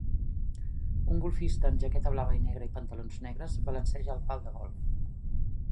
Un golfista amb jaqueta blava i negra i pantalons negres balanceja el pal de golf.